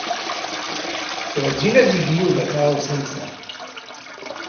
Werjin ad yeg Yuba taɣawsa am ta.